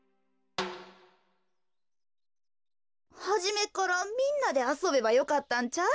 はじめっからみんなであそべばよかったんちゃう？